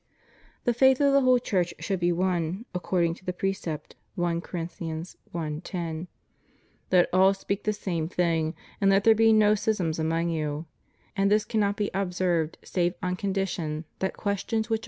* "The faith of the whole Church should be one, according to the precept (1 Corinthians i.lO): Let all speak the same thing, and let there he no schisms among you; and this cannot he observed save on condition that questions which arise * 2a 2ae, q.